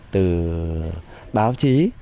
từ báo chí